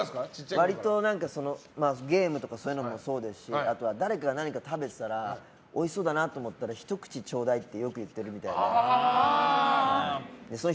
割とゲームとかそういうのもそうですしあとは、誰かが何かを食べてたらおいしそうだなと思ってひと口ちょうだいってよく言ってるみたいで。